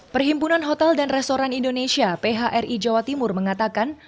perhimpunan hotel dan restoran indonesia phri jawa timur mengatakan